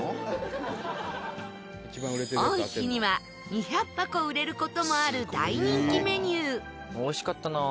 多い日には２００箱売れる事もある大人気メニュー。